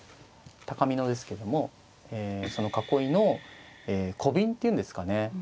高美濃ですけどもえその囲いのコビンっていうんですかね。